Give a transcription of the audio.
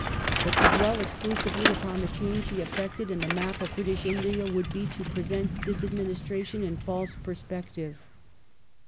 But to dwell exclusively upon the change he effected in ^^^^^^ the map of British India would be to present this administration in false perspective.